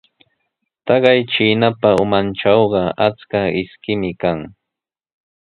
Taqay chiinapa umantrawqa achka ishkimi kan.